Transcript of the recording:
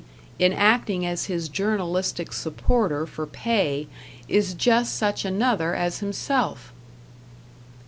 in acting as his journalistic supporter for pay, is just such another as himself!